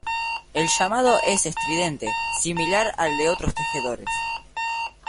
El llamado es estridente, similar al de otros tejedores.